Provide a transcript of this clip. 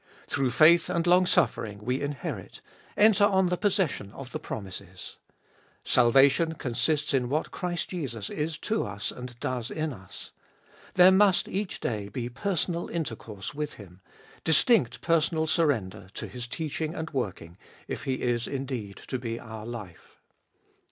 Through faith and longsuffering we inherit, enter on the possession of the promises. Salvation consists in what Christ Jesus is to us and does in us. There must, each day, be personal intercourse with Him, distinct personal surrender to His teaching and working, if He is indeed to be our life.